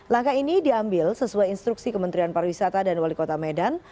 langkah ini diambil sesuai instruksi kementerian pariwisata dan wali kota medan